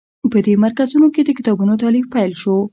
په دې مرکزونو کې د کتابونو تألیف پیل شو.